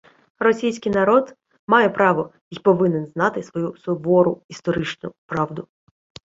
Російський народ має право й повинен знати свою сувору історичну правду